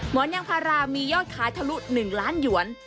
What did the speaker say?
หมอนยางพารามียอดขายทะลุ๑ล้านหยวน